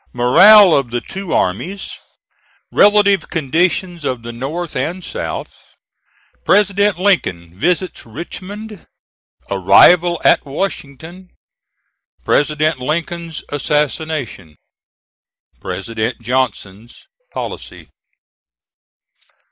MORALE OF THE TWO ARMIES RELATIVE CONDITIONS OF THE NORTH AND SOUTH PRESIDENT LINCOLN VISITS RICHMOND ARRIVAL AT WASHINGTON PRESIDENT LINCOLN'S ASSASSINATION PRESIDENT JOHNSON'S POLICY.